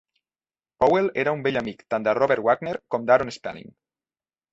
Powell era un vell amic tant de Robert Wagner com d'Aaron Spelling.